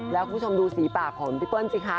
แล้วคุณผู้ชมดูสีปากของพี่เปิ้ลสิคะ